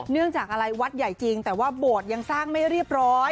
เนื่องจากอะไรวัดใหญ่จริงแต่ว่าโบสถ์ยังสร้างไม่เรียบร้อย